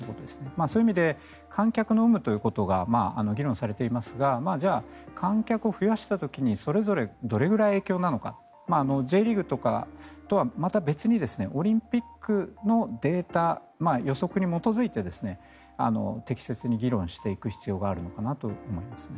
そういう意味で観客の有無ということが議論されていますがじゃあ、観客を増やした時にそれぞれどれくらいの影響なのかＪリーグとはまた別にオリンピックのデータ予測に基づいて適切に議論していく必要があるのかなと思います。